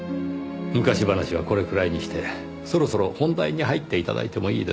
昔話はこれくらいにしてそろそろ本題に入って頂いてもいいですか？